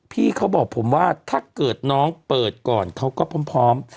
พี่เขาบอกผมว่าถ้าเกิดน้องเปิดก่อนเขาก็พร้อม